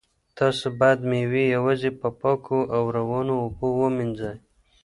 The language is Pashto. تاسو باید مېوې یوازې په پاکو او روانو اوبو ومینځئ.